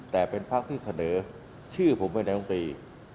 แต่เป็นภาคที่เสนอชื่อผมเป็นไซล์โรงตรี